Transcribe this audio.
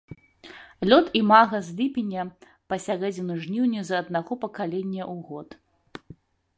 Лёт імага з ліпеня па сярэдзіну жніўня з аднаго пакалення ў год.